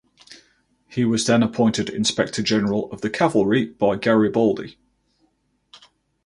He was then appointed inspector general of the cavalry by Garibaldi.